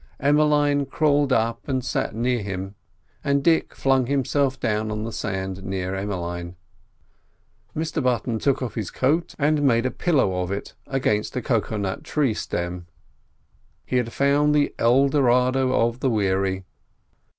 Emmeline crawled up, and sat near him, and Dick flung himself down on the sand near Emmeline. Mr Button took off his coat and made a pillow of it against a cocoa nut tree stem. He had found the El Dorado of the weary.